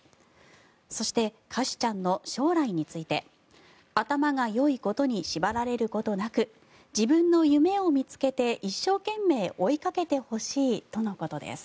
そして、カシュちゃんの将来について頭がよいことに縛られることなく自分の夢を見つけて一生懸命追いかけてほしいとのことです。